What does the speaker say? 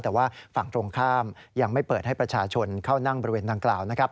แต่ว่าฝั่งตรงข้ามยังไม่เปิดให้ประชาชนเข้านั่งบริเวณดังกล่าวนะครับ